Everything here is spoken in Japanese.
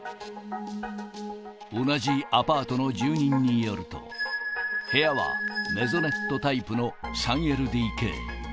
同じアパートの住人によると、部屋はメゾネットタイプの３ＬＤＫ。